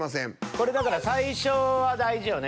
これだから最初は大事よね。